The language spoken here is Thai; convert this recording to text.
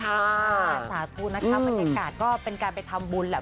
สาธุนะคะบรรยากาศก็เป็นการไปทำบุญแหละ